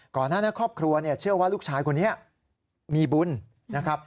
ก่อนหน้านี้ครอบครัวเชื่อว่าลูกชายคนนี้มีบุญนะครับ